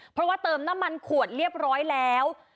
เพราะว่าเติมน้ำมันขวดเรียบร้อยแล้ว